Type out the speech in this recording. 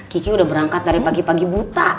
kici udah berangkat dari pagi pagi buta